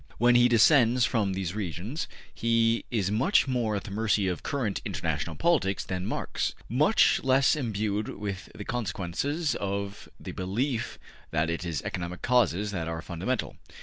When he descends from these regions, he is much more at the mercy of current international politics than Marx, much less imbued with the consequences of the belief that it is economic causes that are fundamental.